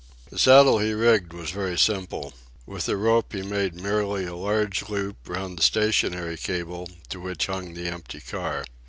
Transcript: The saddle he rigged was very simple. With the rope he made merely a large loop round the stationary cable, to which hung the empty car.